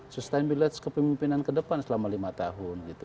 sustainability kepemimpinan ke depan selama lima tahun